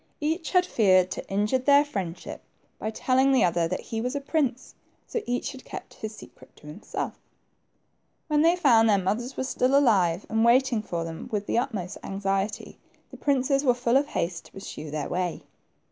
Each had feared to injure their friendship by telling the other that he was a prince, so each had .kept his secret to himself When they found their mothers were still alive, and waiting for them with the utmost anxiety, the princes were full of haste to pursue their way.